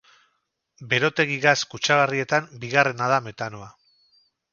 Berotegi gas kutsagarrietan bigarrena da metanoa.